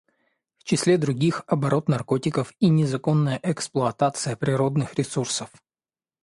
В числе других — оборот наркотиков и незаконная эксплуатация природных ресурсов.